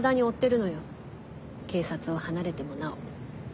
警察を離れてもなお。